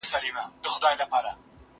زه ليکلي پاڼي نه ترتيب کوم؟!